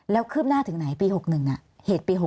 แล้วคืบหน้าถึงไหนปี๖๑เหตุปี๖๖